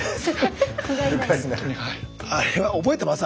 あれは覚えてます？